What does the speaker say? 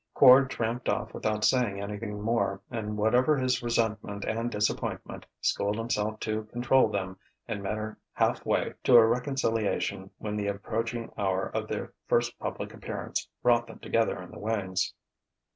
Quard tramped off without saying anything more, and, whatever his resentment and disappointment, schooled himself to control them, and met her half way to a reconciliation when the approaching hour of their first public appearance brought them together in the wings.